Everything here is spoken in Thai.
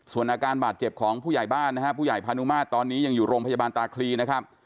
ส่วนอาการบาดเจ็บของผู้ใหญ่บ้านนะฮะผู้ใหญ่พานุมาตรตอนนี้ยังอยู่โรงพยาบาลตาคลีนะครับ